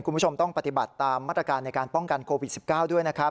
คุณผู้ชมต้องปฏิบัติตามมาตรการในการป้องกันโควิด๑๙ด้วยนะครับ